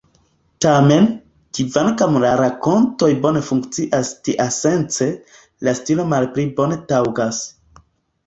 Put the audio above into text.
Tamen, kvankam la rakontoj bone funkcias tiasence, la stilo malpli bone taŭgas.